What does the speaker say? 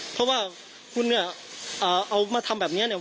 เพราะว่าคุณเนี่ยเอามาทำแบบนี้เนี่ย